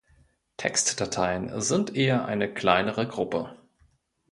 Textdateien sind eher eine kleinere Gruppe.